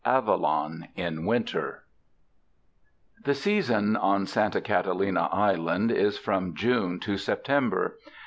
AvALON IN Winter The season on Santa Catalina Island is from June to September.